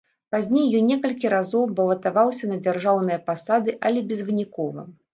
Пазней ён некалькі разоў балатаваўся на дзяржаўныя пасады, але безвынікова.